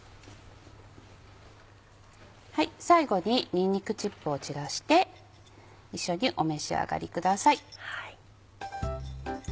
最後ににんにくチップを散らして一緒にお召し上がりください。